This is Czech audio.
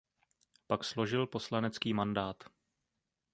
Pak složil poslanecký mandát.